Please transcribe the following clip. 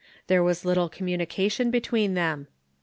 There was little communication between them.